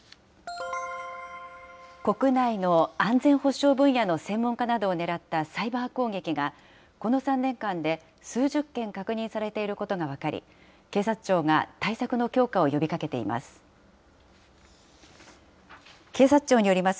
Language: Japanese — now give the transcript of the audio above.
国内の安全保障分野の専門家などを狙ったサイバー攻撃が、この３年間で数十件確認されていることが分かり、警察庁が対策の強化を呼びかけています。